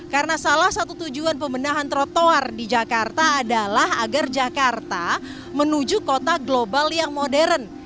karena salah satu tujuan pemenahan trotoar di jakarta adalah agar jakarta menuju kota global yang modern